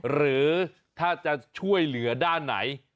หรือถ้าจะช่วยเหลือด้านไหน